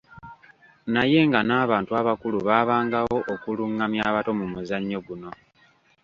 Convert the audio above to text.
Naye nga n’abantu abakulu baabangawo okulungamya abato mu muzannyo guno.